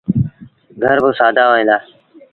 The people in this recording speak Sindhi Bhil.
گھر با سآدآ هوئيݩ دآ۔